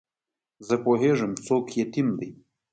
زه پوهېږم څوک یتیم دی.